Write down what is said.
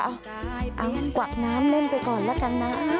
เอากวักน้ำเล่นไปก่อนแล้วกันนะ